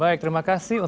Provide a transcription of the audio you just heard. baik terima kasih